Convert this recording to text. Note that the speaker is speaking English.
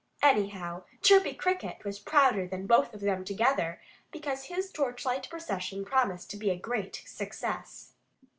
Anyhow, Chirpy Cricket was prouder than both of them together, because his torchlight procession promised to be a great success.